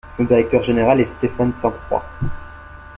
Son directeur général est Stéphane Ste-Croix.